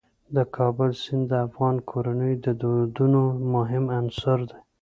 د کابل سیند د افغان کورنیو د دودونو مهم عنصر دی.